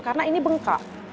karena ini bengkak